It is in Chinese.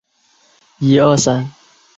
石码杨氏大夫第的历史年代为清。